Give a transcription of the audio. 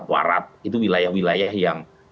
barat itu wilayah wilayah yang